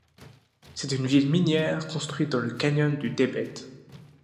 C'est une ville minière construite dans le canyon du Debed.